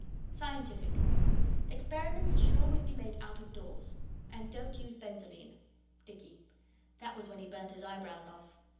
SCIENTIFIC Experiments should always be made out of doors. And don't use benzoline. DICKY. (That was when he burnt his eyebrows off.